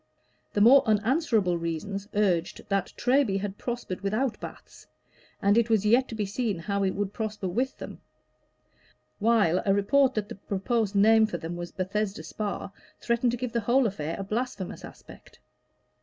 The more unanswerable reasoners urged that Treby had prospered without baths, and it was yet to be seen how it would prosper with them; while a report that the proposed name for them was Bethesda Spa, threatened to give the whole affair a blasphemous aspect.